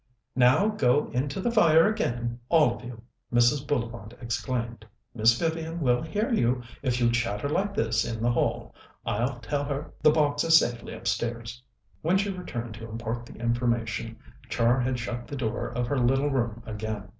"Now go in to the fire again, all of you," Mrs. Bullivant exclaimed. "Miss Vivian will hear you if you chatter like this in the hall. I'll tell her the box is safely upstairs." When she returned to impart the information, Char had shut the door of her little room again.